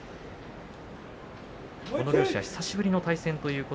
両者は久しぶりの対戦です。